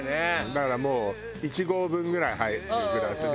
だからもう１合分ぐらい入るグラスで。